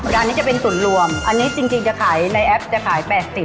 ชำนี้จะเป็นตุ๋นรวมอันนี้จริงจะขายในแอปจะขาย๘๐บาท